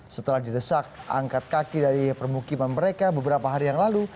setelah didesak angkat kaki dari permukiman mereka beberapa hari yang lalu